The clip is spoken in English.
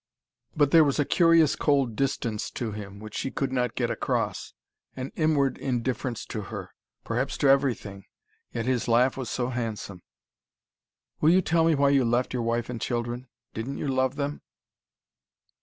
But there was a curious cold distance to him, which she could not get across. An inward indifference to her perhaps to everything. Yet his laugh was so handsome. "Will you tell me why you left your wife and children? Didn't you love them?"